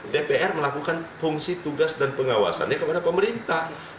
dpr melakukan fungsi tugas dan pengawasannya kepada pemerintah